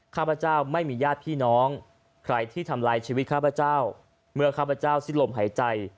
ข้าพเจ้าไม่มีญาติพี่น้องใครที่ทำลายชีวิตข้าพเจ้าเมื่อข้าพเจ้าสิ้นลมหายใจ